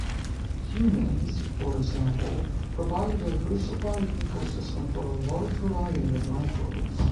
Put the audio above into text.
Humans, for example, provide a diversified ecosystem for a large variety of microbes.